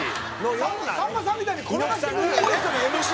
さんまさんみたいに転がしていくんだよね。